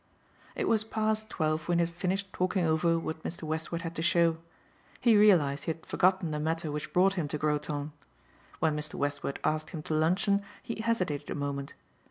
It was past twelve when he had finished talking over what Mr. Westward had to show. He realized he had forgotten the matter which brought him to Groton. When Mr. Westward asked him to luncheon he hesitated a moment.